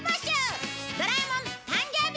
『ドラえもん』誕生日